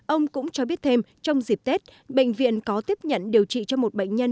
ông cũng cho biết thêm trong dịp tết bệnh viện có tiếp nhận điều trị cho một bệnh nhân